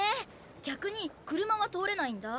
逆に車は通れないんだ。